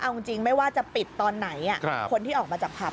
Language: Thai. เอาจริงไม่ว่าจะปิดตอนไหนอ่ะครับคนที่ออกมาจากพรรพ